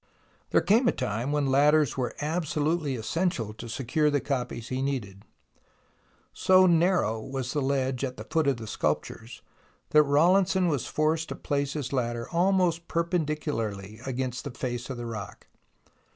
There came a time when ladders were absolutely essential to secure the copies he needed. So narrow was the ledge at the foot of the sculptures that Rawlinson was forced to place his ladder almost perpendicularly against the face of the rock.